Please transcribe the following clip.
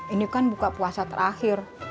ini kan buka puasa terakhir